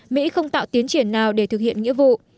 mỹ không tạo tiến triển nào để thực hiện nghĩa vụ